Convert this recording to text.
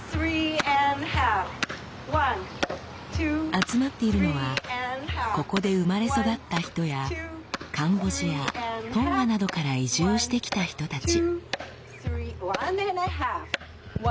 集まっているのはここで生まれ育った人やカンボジアトンガなどから移住してきた人たち。